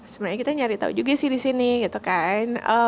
sebenarnya kita nyari tahu juga sih di sini gitu kan